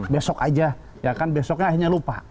besok aja ya kan besoknya akhirnya lupa